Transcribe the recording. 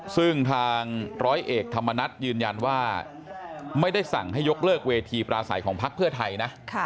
ซึ่งทางร้อยเอกธรรมนัฐยืนยันว่าไม่ได้สั่งให้ยกเลิกเวทีปราศัยของพักเพื่อไทยนะ